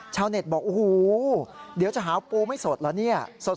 ชาวเน็ตบอกโอ้โหเดี๋ยวจะหาปูไม่สดแล้ว